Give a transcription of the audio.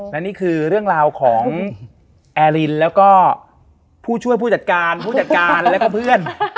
และนี่คือเรื่องราวของแอลินแล้วก็ผู้ช่วยผู้จัดการผู้จัดการแล้วก็เพื่อน